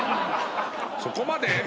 そこまで？